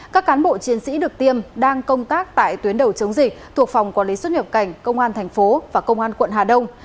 các cán bộ chiến sĩ được tiêm đang công tác tại tuyến đầu chống dịch thuộc phòng quản lý xuất nhập cảnh công an thành phố và công an quận hà đông